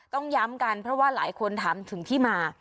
ต้องย้ำกันเพราะว่าหลายคนถามถึงที่มา